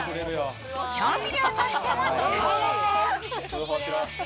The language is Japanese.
調味料としても使えるんです。